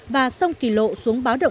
và sông kỳ lộ xuống báo động một